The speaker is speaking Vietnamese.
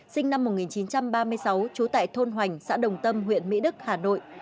sinh năm một nghìn chín trăm ba mươi sáu trú tại thôn hoành xã đồng tâm huyện mỹ đức hà nội